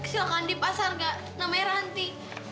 silahkan di pasar gak namanya ranti